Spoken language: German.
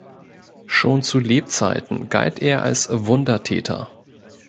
Schon zu Lebzeiten galt er als Wundertäter.